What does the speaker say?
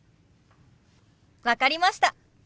分かりました。